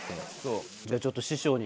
じゃあちょっと師匠に。